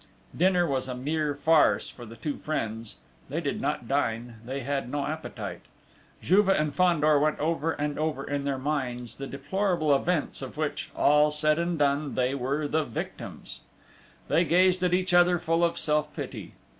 Dinner was a mere farce to the two friends: they did not dine: they had no appetite! Juve and Fandor went over and over in their minds the deplorable events of which, all said and done, they were the victims. They gazed at each other full of self pity.